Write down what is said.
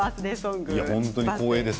本当に光栄です。